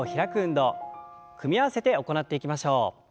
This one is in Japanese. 組み合わせて行っていきましょう。